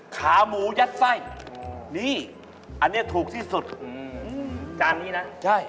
ขาหมูยัดไส้นี่อันนี้ถูกที่สุดอืมจานนี้นะใช่